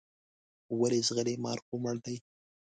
ولې ځغلې مار خو مړ دی.